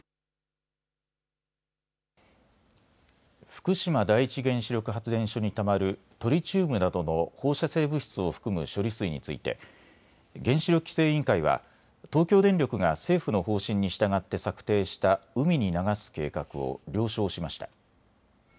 福島第一原子力発電所にたまるトリチウムなどの放射性物質を含む処理水について原子力規制委員会は東京電力が政府の方針に従って策定した海に流す計画を了承しました。